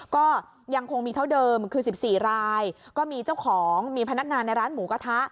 ก็ยังคงมีเท่าเดิมคือ๑๔รายก็มีเจ้าของมีพนักงานในร้านหมูกระทะ